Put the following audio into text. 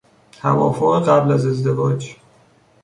توافق قبل از ازدواج